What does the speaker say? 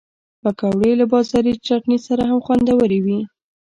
پکورې له بازاري چټني سره هم خوندورې وي